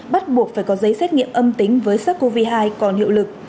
bắt buộc phải có giấy xét nghiệm âm tính với sars cov hai còn hiệu lực